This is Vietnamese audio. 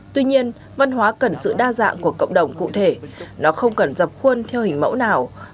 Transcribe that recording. tuy nhiên văn hóa cần sự đa dạng của cộng đồng cụ thể nó không cần dọc khuôn theo hình mẫu nào